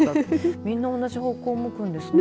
みんな同じ方向を向くんですね。